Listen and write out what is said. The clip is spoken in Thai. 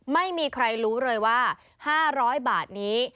ไม่มีใครรู้เลยว่า๕๐๐บาทนี้